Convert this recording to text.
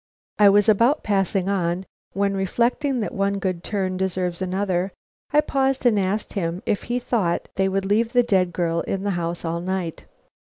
I was about passing on, when, reflecting that one good turn deserves another, I paused and asked him if he thought they would leave the dead girl in that house all night.